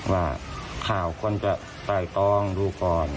ว่าข่าวควรจะไต่ตองดูก่อน